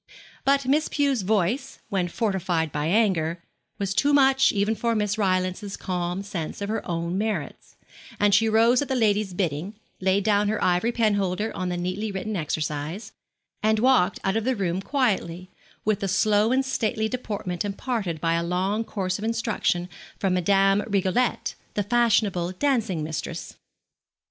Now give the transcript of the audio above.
But Miss Pew's voice, when fortified by anger, was too much even for Miss Rylance's calm sense of her own merits, and she rose at the lady's bidding, laid down her ivory penholder on the neatly written exercise, and walked out of the room quietly, with the slow and stately deportment imparted by a long course of instruction from Madame Rigolette, the fashionable dancing mistress.